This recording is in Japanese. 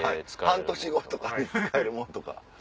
半年後とかに使えるもんとか。